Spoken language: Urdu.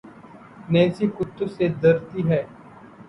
نینسی کتّوں سے درتی ہے